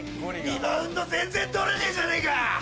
リバウンド全然捕れねえじゃねぇか！